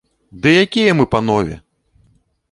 Ды якія мы панове!